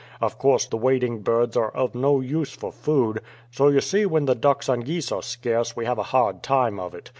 Of course the wading birds are of no use for food; so you see when the ducks and geese are scarce, we have a hard time of it.